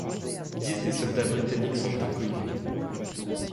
Dix des soldats britanniques sont inconnus.